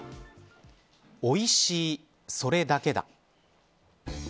おいしいそれだけだ。